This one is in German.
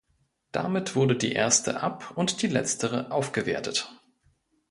Damit wurde die erste ab- und die letztere aufgewertet.